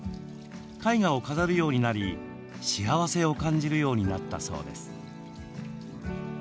絵画を飾るようになり、幸せを感じるようになったそうです。